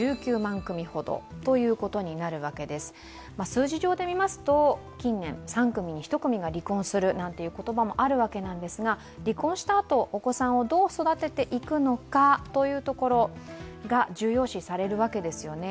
数字上で見ますと近年、３組に１組が離婚するなんていう言葉もあるわけなんですが離婚したあと、お子さんをどう育てていくのかというところが重要視されるわけですよね。